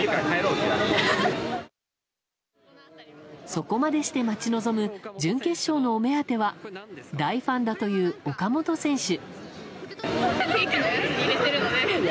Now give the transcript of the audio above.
そこまでして待ち望む準決勝のお目当ては大ファンだという岡本選手。